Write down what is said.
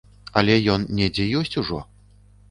Але ён недзе ёсць ужо.